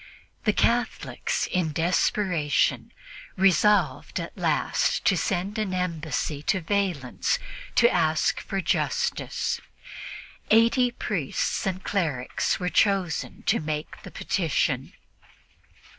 The Catholics, in desperation, resolved at last to send an embassy to Valens to ask for justice, eighty priests and clerics being chosen to make the petition.